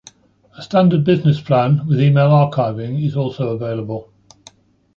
A standard business plan with email archiving is also available.